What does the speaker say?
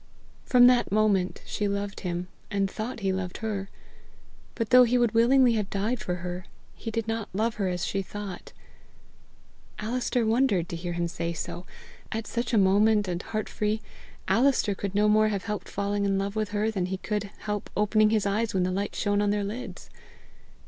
From that moment she loved him, and thought he loved her. But, though he would willingly have died for her, he did not love her as she thought. Alister wondered to hear him say so. At such a moment, and heart free, Alister could no more have helped falling in love with her than he could help opening his eyes when the light shone on their lids.